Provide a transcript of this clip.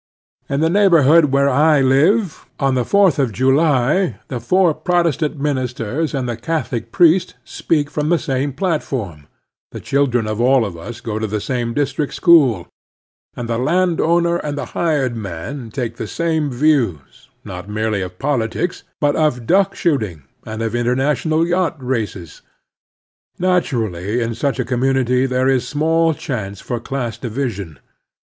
In the neighborhood where I live, on the Fourth of July the four Protestant ministers and the Catholic priest speak from the same platform, the children of all of tis go to the same district school, and the landowner and the hired man take the same views, not merely of politics, but of duck shooting and of /i ntern ational yacht races. Naturally in such a community there is small chance for class division.